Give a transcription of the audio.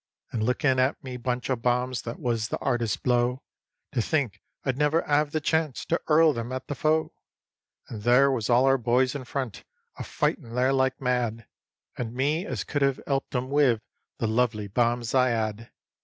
And lookin' at me bunch o' bombs that was the 'ardest blow, To think I'd never 'ave the chance to 'url them at the foe. And there was all our boys in front, a fightin' there like mad, And me as could 'ave 'elped 'em wiv the lovely bombs I 'ad.